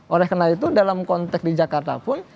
oleh karena itu dalam konteks di jakarta pun